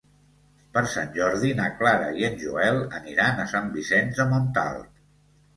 Per Sant Jordi na Clara i en Joel aniran a Sant Vicenç de Montalt.